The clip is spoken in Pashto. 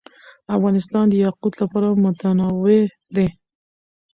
افغانستان د یاقوت له پلوه متنوع دی.